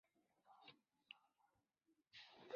同年被任命为从四位下参议并被下赐丰臣姓。